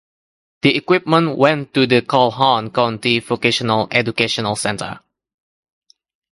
The equipment went to the Calhoun County Vocational Educational Center.